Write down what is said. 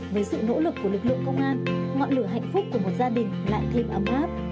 với sự nỗ lực của lực lượng công an ngọn lửa hạnh phúc của một gia đình lại thêm ấm áp